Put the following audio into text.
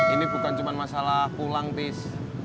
ini bukan cuma masalah pulang pis